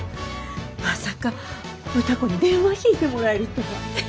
まさか歌子に電話引いてもらえるとは。